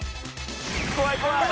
怖い怖い。